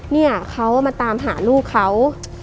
เนี่ยเขามาตามหาลูกเขา